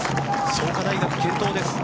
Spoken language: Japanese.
創価大学、健闘です。